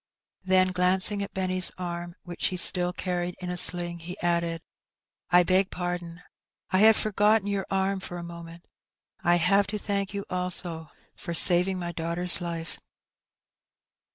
Then, glancing at Benny's arm, which he still carried in a sling, he added, " I beg pardon, I had forgotten your arm for a moment. I have to thank you also for saving my daughter's life."